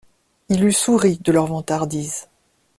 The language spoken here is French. Il eût souri de leurs ventardises.